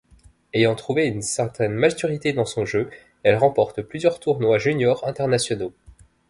Ayant trouvé une certaine maturité dans son jeu, elle remporte plusieurs tournois juniors internationaux.